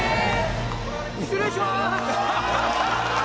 失礼します